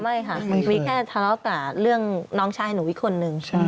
ไม่ค่ะมันมีแค่ทะเลาะกับเรื่องน้องชายหนูอีกคนนึง